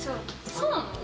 そうなの？